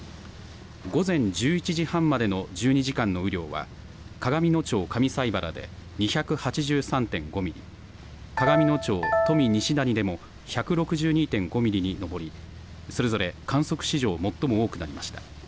午前１１時半までの１２時間の雨量は、鏡野町上齋原で２８３．５ミリ、鏡野町富西谷でも１６２．５ミリに上り、それぞれ観測史上最も多くなりました。